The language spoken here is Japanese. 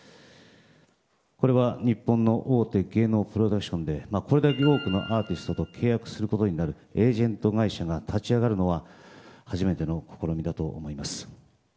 これは日本の大手芸能プロダクションでこれだけ多くのアーティストと契約することになるエージェント会社が立ち上がるのは初めての試みだと思います。